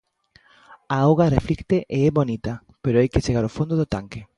A auga reflicte e é bonita, pero hai que chegar ó fondo do tanque.